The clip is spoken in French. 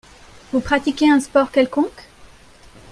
Vous pratiquez un sport quelconque ?